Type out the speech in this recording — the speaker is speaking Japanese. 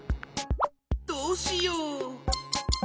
どうしよう？